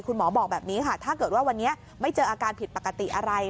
หมอบอกแบบนี้ค่ะถ้าเกิดว่าวันนี้ไม่เจออาการผิดปกติอะไร